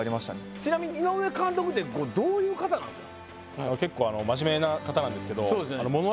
ちなみに井上監督ってどういう方なんですか？